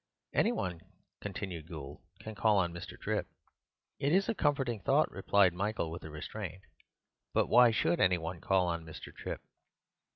"Any one," continued Gould, "can call on Mr. Trip." "It is a comforting thought," replied Michael with restraint; "but why should any one call on Mr. Trip?"